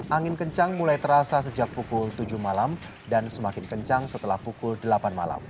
angin kencang mulai terasa sejak pukul tujuh malam dan semakin kencang setelah pukul delapan malam